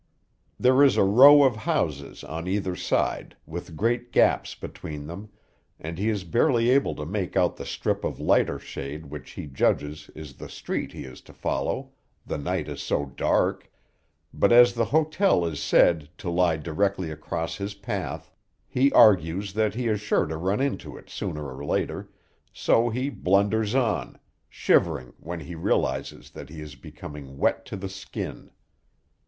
There is a row of houses on either side, with great gaps between them, and he is barely able to make out the strip of lighter shade which he judges is the street he is to follow, the night is so dark; but as the hotel is said to lie directly across his path, he argues that he is sure to run into it sooner or later, so he blunders on, shivering when he realizes that he is becoming wet to the skin.